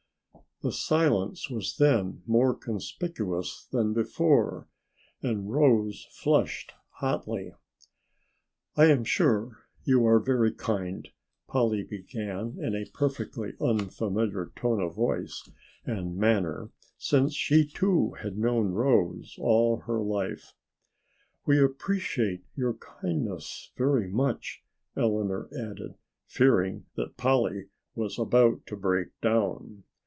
The silence was then more conspicuous than before and Rose flushed hotly. "I am sure you are very kind," Polly began in a perfectly unfamiliar tone of voice and manner since she too had known Rose all her life. "We appreciate your kindness very much," Eleanor added, fearing that Polly was about to break down.